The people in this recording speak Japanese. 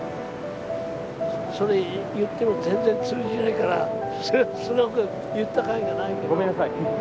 それ言っても全然通じないからすごく言ったかいがないけど。